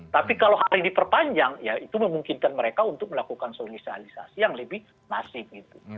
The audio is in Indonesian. tapi kalau hari ini perpanjang ya itu memungkinkan mereka untuk melakukan solisialisasi yang lebih masing gitu